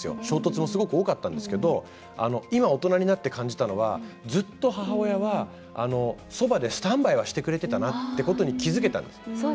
衝突もすごく多かったんですけど今、大人になって感じたのはずっと母親はそばでスタンバイはしてくれてたなってことに気付けたんです。